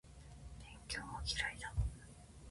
勉強は嫌いだ